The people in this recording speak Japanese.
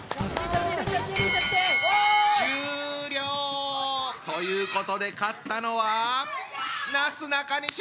終了！ということで勝ったのはなすなかにし！